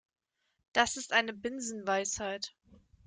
Das ist eine Binsenweisheit.